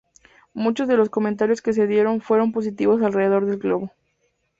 Muchos de los comentarios que se dieron fueron positivos alrededor del globo.